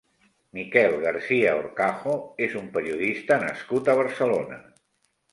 Miquel Garcia Horcajo és un periodista nascut a Barcelona.